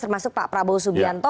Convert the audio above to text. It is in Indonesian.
termasuk pak prabowo subianto